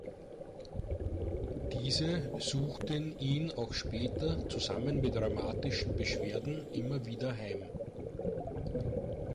Diese suchten ihn auch später zusammen mit rheumatischen Beschwerden immer wieder heim.